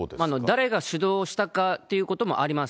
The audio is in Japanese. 誰が主導したかということもあります。